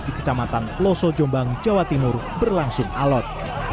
di kecamatan loso jombang jawa timur berlangsung alot